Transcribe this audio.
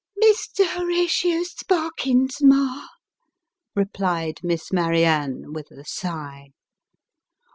" Mr. Horatio Sparkins, ma," replied Miss Marianne, with a sigh.